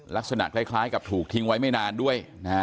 ลักษณะคล้ายกับถูกทิ้งไว้ไม่นานด้วยนะฮะ